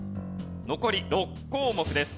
残り６項目です。